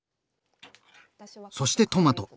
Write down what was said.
そしてトマト。